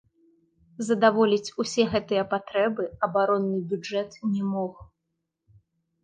Задаволіць усе гэтыя патрэбы абаронны бюджэт не мог.